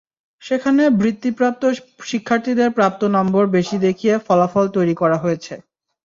সেখানে বৃত্তিপ্রাপ্ত শিক্ষার্থীদের প্রাপ্ত নম্বর বেশি দেখিয়ে ফলাফল তৈরি করা হয়েছে।